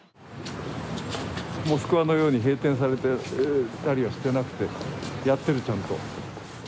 モスクワのように閉店されたりはしていなくてやっている、ちゃんと。